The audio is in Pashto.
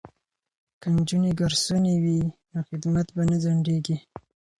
که نجونې ګارسونې وي نو خدمت به نه ځنډیږي.